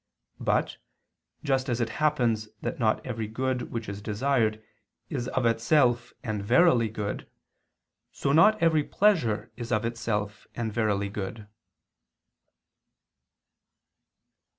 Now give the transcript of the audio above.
But, just as it happens that not every good which is desired, is of itself and verily good; so not every pleasure is of itself and verily good.